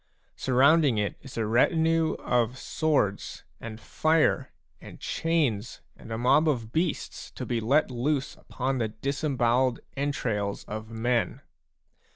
Sur rounding it is a retinue of swords and fire and chains and a mob of beasts to be let loose upon the dis embowelled entrails of men.